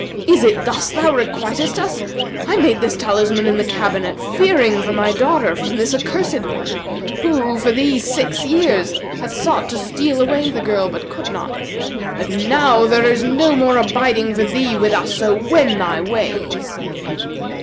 Is it thus thou requiitest us? I made this talisman in the cabinet fearing for my daughter from this accursed one who, for these six years, hath sought to steal away the girl, but could not. But now there is no more abiding for thee with us, so wend thy ways.'